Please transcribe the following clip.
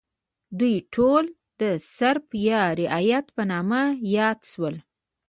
دوی ټول د سرف یا رعیت په نامه یاد شول.